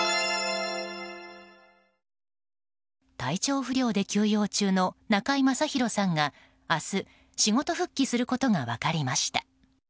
体調不良で休養中の中居正広さんが明日仕事復帰することが分かりました。